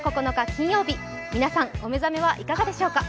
金曜日、皆さんお目覚めはいかがでしょうか。